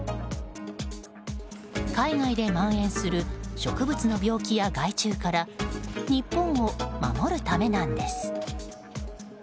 海外で蔓延する植物の病気や害虫から日本を守るためなんです。